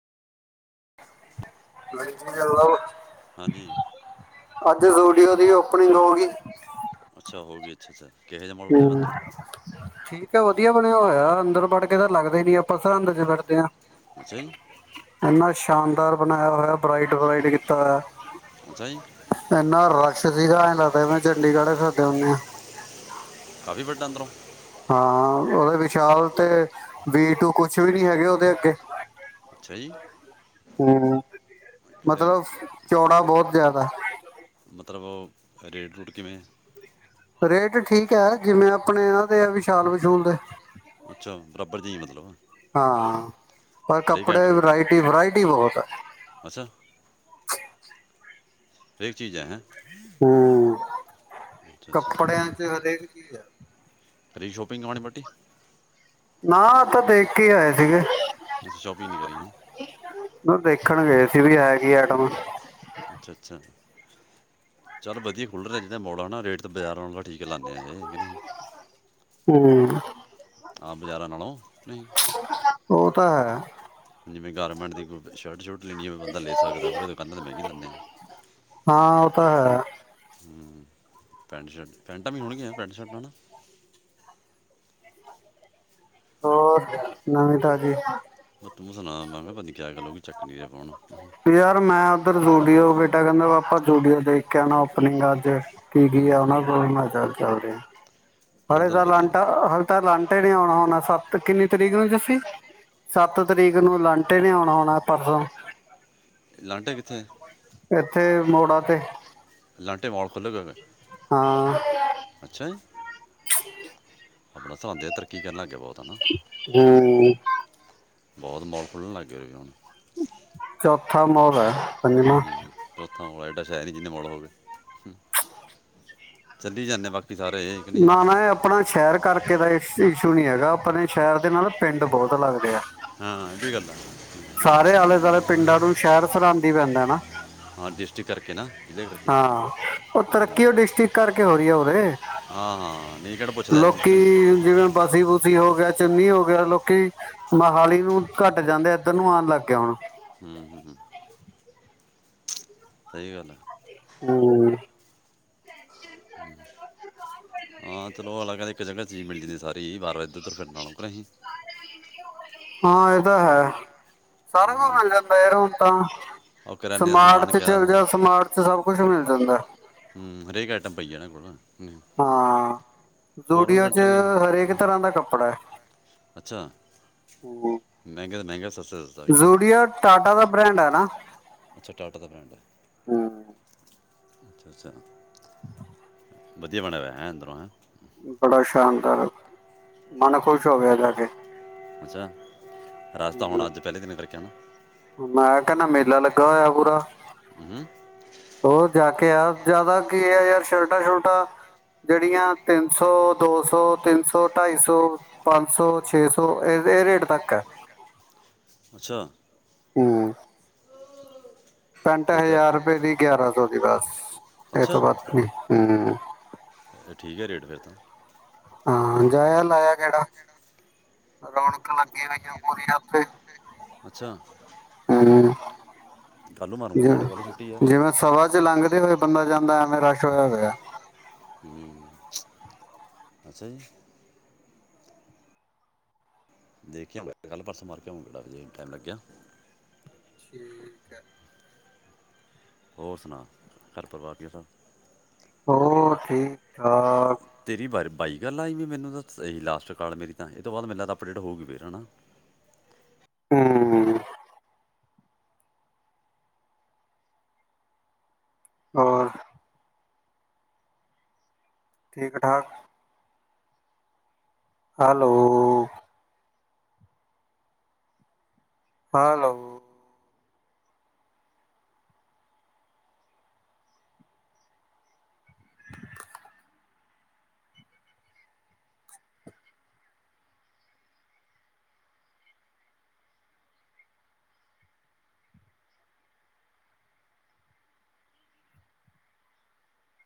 ਲਜੀ ਹਾਂਜੀ। ਹਾਂ ਜਿਸ ਸੂਡੀਓ ਦੀ ਓਪਨਿੰਗ ਹੋ ਗਈ। ਅੱਛਾ [unintelligible] ਬਣਿਆ ਵਾ ਹੂੰ, ਅੰਦਰੋਂ ਠੀਕ। ਵਧੀਆ ਬਣਿਆ ਹੋਇਆ ਅੰਦਰ ਬੜ ਕੇ ਤਾਂ ਲੱਗਦਾ ਹੀ ਨੀ ਆਪਾਂ ਸਰਹੰਦ ਚ ਵਣਦੇ ਹਾਂ। ਅੱਛਾ ਜੀ। ਇੰਨਾ ਸ਼ਾਨਦਾਰ ਬਣਾਇਆ ਹੋਇਆ, ਬਰਾਈਟ -ਬਰਾਈਟ ਕੀਤਾ ਹੋਇਆ। ਅੱਛਾ ਜੀ ਇਨਾ ਰ ਸਤਿ ਸ਼੍ਰੀ ਅਕਾਲ, ਲੱਗਦਾ ਮੈਂ ਚੰਡੀਗੜ੍ਹ ਖਾਦੇ ਹੁੰਦੇ ਆਾਂ। [unintelligible] ਕਾਫ਼ੀ ਵੱਡਾ ਅੰਦਰੋਂ। ਹਾਂ, ਉਹਦੇ ਵਿਸ਼ਾਲ ਤੇ ਵੀ ਟੂ ਕੁਛ ਵੀ ਨੀ ਹੈਗੇ ਉਹਦੇ ਅੱਗੇ। ਅੱਛਾ ਜੀ। ਹੂੰ, ਇਹ ਮਤਲਬ ਚੌੜਾ ਬਹੁਤ ਜ਼ਿਆਦਾ ਮਤਲਬ, ਰੇਡ-ਰੂਟ ਕਿਵੇਂ? ਰੇਟ ਠੀਕ ਹੈ ਜਿਵੇਂ ਆਪਣੇ ਇਹਨਾਂ ਦੇ ਆ ਵਿਸ਼ਾਲ- ਵਿਸ਼ੂਲ ਦੇ। ਅੱਛਾ, ਬਰਾਬਰ ਜੇ ਹੀ ਮਤਲਬ। ਹਾਂ। ਪਰ ਹਰੇਕ ਕੱਪੜੇ ਆਈਟਮ ਵਰਾਇਟੀ -ਵਰਾਇਟੀ ਬਹੁਤ ਹੈ। ਹਰੇਕ ਚੀਜ਼ ਹੈ ਹੈਂਨਾ। ਹੂੰ, ਅੱਛਾ ਅੱਛਾ ਕੱਪੜਿਆਂ ਚ ਹਰੇਕ ਚੀਜ਼ ਆ। ਕਰੀ ਸ਼ੋਪਿੰਗ ਕਮਾਣੀ ਪੱਟੀ ਨਾ, ਤਾਂ ਦੇਖ ਕੇ ਹੀ ਆਏ ਸੀਗੇ। ਸ਼ੋਪਿੰਗ ਨਹੀਂ ਕਰੀ ਹੈ। ਉਹ ਦੇਖਣ ਗਏ ਸੀ ਵੀ ਹੈ ਕਿ ਆਈਟਮ। ਅੱਛਾ-ਅੱਛਾ ਚੱਲ ਵਧੀਆ, ਖੁੱਲ੍ਹ ਰਿਹਾ ਜਿਹੜਾ ਮਾੜਾ ਹੈ ਨਾ ਰੇਟ ਤਾਂ ਬਾਜ਼ਾਰ ਵਾਲੋ ਠੀਕ ਹੈ ਲਾਉਂਦੇ ਹਾਂ ਇਹ ਹੈਗੇ ਨਹੀਂ। ਹੂੰ-ਹੂੰ। ਹਾਂ ਬਜ਼ਾਰਾ ਨਾਲੋਂ ਨਹੀਂ [unintelligible] ਉਹ ਤਾ ਹੈ। ਜਿਵੇਂ ਗਾਰਮੈਂਟ ਦੀ ਕੋ ਸ਼ਰਟ- ਸੂਰਟ। ਆ ਹਾਂ ਉਹ ਤਾਂ ਹੈ। ਹੂੰ ਪੈਂਟ -ਸ਼ਰਟ, ਪੈਂਟਾਂ ਵੀ ਹੋਣਗੀ ਪੈਂਟ- ਸ਼ਰਟਾਂ ਨਾ ਹੋਰ ਨਵੀਂ -ਤਾਜ਼ੀ ਪਰ ਤੂੰ ਸੁਣਾ ਮੈਂ ਕਿਹਾ - [unintelligible] ਯਾਰ ਮੈਂ ਉਧਰ ਜੂਡੀਓ ਬੇਟਾ ਕਹਿੰਦੇ ਆਪਾ ਜੂਡੀਓ ਦੇਖ ਕੇ ਓਪਨਿੰਗ ਅੱਜ। ਕੀ -ਕੀ ਆ ਹੂੰ ਉਹਨਾ ਤੋਂ ਵੀ ਮਜ਼ਾ ਚੱਲ ਰਿ ਹਾਂ ਹਰੇ ਚੱਲ ਤਾਂ ਵਧੀਆ ਲਾਂਟਾ ਹ ਤਾਂ ਲੰਟੇ ਨੀ ਆਉਣਾ ਹੋਣਾ ਸੱਟ ਕਿੰਨੀ ਤਰੀਕ ਨੂੰ ਜੱਸੀ, ਸੱਤ ਤਰੀਕ ਨੂੰ ਲੰਟੇ ਨੀ ਆਉਣਾ ਹੋਣਾ ਆਪਾਂ ਕੋਲੇ ਲਾਂਟੇ ਕਿੱਥੇ ਹੈ? ਇੱਥੇ ਮੋੜਾ ਤੇ ਲਾਂਟੇ ਮੋਲ। ਖੋੱਲੇ ਗਾ। ਹਾਂ ਅੱਛਾ ਜੀ, ਆਪਣਾ ਸਹਾਦੇ ਤਰੱਕੀ ਕਰਨਾ। ਹਮ ਬਹੁਤ ਮੋਲ ਖੁੱਲਣ ਲੱਗਗੇ ਰਹੇ ਵੀ ਹੁਣ ਹਮ ਮੋਲ ਹੈ। ਪੰਜਵਾਂ ਹਮ, ਚੌਥਾ ਵਾਇਟ ਸ਼ਾਇਰ ਨ ਨਹੀਂ ਜਿੰਨੇ ਮੜ ਹੋਵੇ ਚੱਲੀ ਜਾਂਦੇ ਬਾਕੀ ਸਾਰੇ ਇੱਕ ਨਹੀਂ ਨਾ- ਨਾ ਇਹ ਆਪਣਾ ਸ਼ਹਿਰ ਕਰਕੇ ਦਾ ਇਸ਼ੂ ਨੀ ਹੈਗਾ। ਆਪਣੇ ਸ਼ਹਿਰ ਦੇ ਨਾਲ ਪਿੰਡ ਬਹੁਤ ਲੱਗਦੇ ਆ। ਹਾਂ, ਇਹ ਵੀ ਗੱਲਾਂ ਸਾਰੇ ਆਲੇ ਦੁਆਲੇ ਪਿੰਡਾਂ ਨੂੰ ਸ਼ਹਿਰ ਸਰਉਂਦੀ ਪੈਂਦਾ ਨਾ। ਡਿਸਟ੍ਰਿਕਟ ਕਰਕੇ ਨਾ ਜ਼ਿਲ੍ਹੇ ਕਰਕੇ ਹਾਂ। ਉਹ ਤਰੱਕੀ ਉਹ ਡਿਸਟ੍ਰਿਕ ਕਰਕੇ ਹੋ ਰਹੀ ਹੋਵੇ। ਹਾਂ ਹਾਂ ਨਹੀਂ ਕਿਹੜਾ ਪੁੱਛਦਾ ਇਹਨੂੰ ਕਿ ਲੋਕੀ ਨਹੀਂ ਜਿਵੇਂ ਬਾਸੀ- ਬੂਸੀ ਹੋ ਗਿਆ ਚੰ ਨ ਹੋ ਗਿਆ। ਲੋਕੀ, ਮੋਹਾਲੀ ਨੂੰ ਘੱਟ ਜਾਂਦੇ ਇੱਧਰ ਨੂੰ ਆਉਣ ਲੱਗ ਗਿਆ ਹੁਣ ਹੂੰ ਹੂੰ ਹੂੰ ਸਹੀ ਗੱਲ ਆ। ਹਮ ਹਾਂ ਚਲੋ, ਅਲੱਗ ਅ ਇੱਕ ਜਗ੍ਹਾ ਚੀਜ਼ ਮਿਲ ਜਾਂਦੀ ਸਾਰੀ ਵਾਰ- ਵਾਰ, ਇੱਧਰ- ਉੱਧਰ ਫਿਰਨਾ ਨਕਰ ਅਸੀਂ ਹਾਂ, ਇਹਦਾ ਹੈ। ਸਾਰਾ ਮਿਲ ਜਾਂਦਾ ਯਰੋ ਤਾਂ ਉਹ ਕਰਿਆਨੇ ਦਾ ਸਮਾਟ ਸਮਾਨ ਚ ਕਿਆ ਚੱਲ ਜਾ, ਸਮਾਟ ਚ ਸਬ ਕੁਛ ਮਿਲ ਜਾਂਦਾ। ਬ੍ਹ ਹਾਂ। ਜੂਡੀਓ ਚ ਕੰਟਰੀ ਆ ਹਰੇਕ ਹੂੰ। ਤਰ੍ਹਾਂ ਦਾ ਕੱਪੜਾ ਹੈ। ਹ ਮੰਹਗਾ- ਸਸਤਾ ਬ੍ਰੈਂਡ ਹੈ ਨਾ। ਅੱਛਾ। ਟਾਟਾ ਦਾ ਬ੍ਰੈਂਡ ਹੈ। ਹੂੰ, ਅੱਛਾ -ਅੱਛਾ। [unintelligible] ਵਧੀਆ ਬਣੇਿਆ ਵ ਹੈਂ, ਅੰਦਰੋਂ ਹੈ। ਬੜਾ ਸ਼ਾਨਦਾਰ ਮਨ ਖੁਸ਼ ਹੋ ਗਿਆ ਜਾ ਕੇ। ਅੱਛਾ, ਰਸਤਾ ਹੁਣ ਹੂੰ, ਅੱਜ ਪਹਿਲੇ ਦਿਨ ਕਰਕੇ ਆ ਨਾ। ਮੈਂ ਕਹਿੰਦਾ ਮੇਲਾ ਲੱਗਾ ਹੋਇਆ ਪੂਰਾ ਹੂੰ ਹੋਰ ਜਾ ਕੇ। ਕਿਹਾ ਜ਼ਿਆਦਾ ਕੀ ਹੈ ਯਾਰ ਸ਼ਰਟਾਂ-ਸ਼ੁਰਟਾਂ ਜਿਹੜੀਆਂ ਤਿੰਨ ਸੌ, ਦੋ ਸੌ, ਤਿੰਨ ਸੌ, ਢਾਈ ਸੌ, ਪੰਜ ਸੌ, ਛੇ ਸੌ, ਇਹ ਇਹ ਰੇਟ ਤੱਕ ਹੈ। ਛ ਹਮ ਪੈਂਟ ਫਿਰ ਤਾਂ ਹਜ਼ਾਰ ਰੁਪਏ ਦੀ, ਗਿਆਰਾਂ ਸੌ ਦੀ ਬਸ ਇਹ ਤੋਂ ਅੱਛਾ ਬਾਧ ਹਮ। ਇਹ ਠੀਕ ਹੈ ਰੇਟ ਫਿਰ ਤਾਂ ਹਾਂ, ਜਾਇਆ ਲਾਇਆ ਕਿਹੜਾ ਰੌਣਕ ਲੱਗੀ ਹੋਈਆਂ ਪੂਰੀਆਂ ਉੱਥੇ। ਅੱਛਾ। ਹਮ ਕੱਲ੍ਹ ਨੂੰ ਮਾਰੂੰਗਾ ਕਿਹੜਾ ਕੱਲ੍ਹ ਛੁੱਟੀ ਆ ਜਵੇ ਜਿਵੇਂ ਸਭਾ ਚ ਲੰਘਦੇ ਹੋਏ ਬੰਦਾ ਜਾਂਦਾ ਮੈਂ ਰਸ਼ ਹੋਇਆ- ਹੋਇਆ। ਅੱਛਾ ਜੀ। ਦੇਖ ਕੇ ਆ ਕੱਲ ਪਰਸੋਂ ਮਾਰ ਕੇ ਆਊ ਕਿਹੜਾ ਵਜੇ ਟਾਈਮ ਲੱਗਿਆ। ਠੀਕ ਹੈ। ਹੋਰ ਸੁਣਾ, ਘਰ ਪਰਿਵਾਰ ਕਿੱਦਾਂ? ਹੋ ਠੀਕ ਆ। ਤੇਰੀ ਬ ਬਾਈ ਗੱਲ ਆਈ ਵੀ ਮੈਨੂੰ ਤਾਂ ਇਹੀ ਲਾਸਟ ਕਾਲ ਮੇਰੀ ਤਾਂ ਇਹ ਤੋਂ ਬਾਅਦ ਮੈਨੂੰ ਲਗਦਾ ਅਪਡੇਟ ਹੋ ਗਈ ਫਿਰ ਹੈ ਨਾ। ਹਮ ਹੋਰ ਠੀਕ-ਠਾਕ। ਹੈਲੋ। ਹਾਂਲੋ।